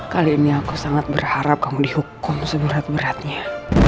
kali ini aku sangat berharap kamu dihukum seberat beratnya